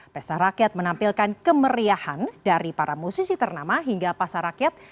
pesta rakyat menampilkan kemeriahan dari para musisi ternama hingga pasar rakyat